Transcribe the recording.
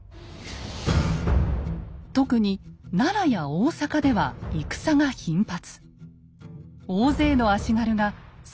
特に奈良や大坂では戦が頻発。